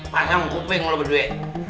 panjang kuping lo berdua